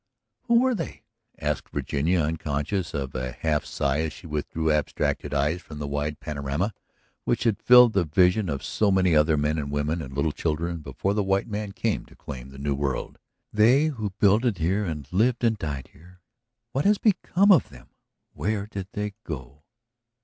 "Who were they?" asked Virginia, unconscious of a half sigh as she withdrew abstracted eyes from the wide panorama which had filled the vision of so many other men and women and little children before the white man came to claim the New World. "They who builded here and lived and died here. What has become of them? Where did they go?"